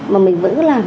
mà mình vẫn cứ làm